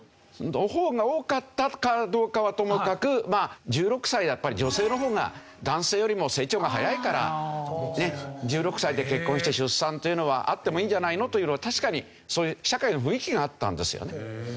の方が多かったかどうかはともかくまあ１６歳やっぱり女性の方が男性よりも成長が早いから１６歳で結婚して出産というのはあってもいいんじゃないのというのは確かにそういう社会の雰囲気があったんですよね。